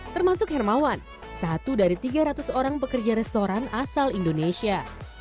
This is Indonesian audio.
termasuk hermawan satu dari tiga ratus orang pekerja restoran asal indonesia